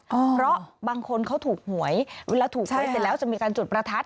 เพราะบางคนเขาถูกหวยเวลาถูกหวยเสร็จแล้วจะมีการจุดประทัด